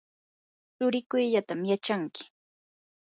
tsurikuyllatam yachanki.